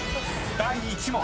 ［第１問］